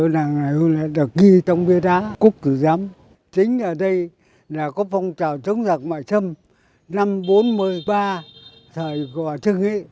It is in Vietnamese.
năm nay ông vừa tròn sáu mươi năm tuổi đảng